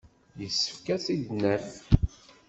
Yessefk ad t-id-naf.